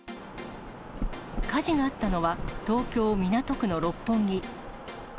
火事があったのは、東京・港区の六本木。